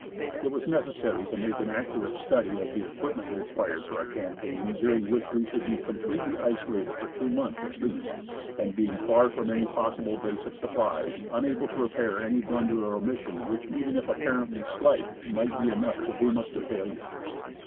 It was necessary to make an accurate study of the equipment required for a campaign during which we should be completely isolated for two months, at least, and being far from any possible base of supplies, unable to repair any blunder or omission, which, even if apparently slight, might be enough to doom us to failure.